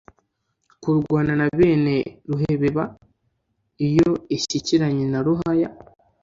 kurwana na bene ruhebeba, iyo ishyikiranye na Ruhaya,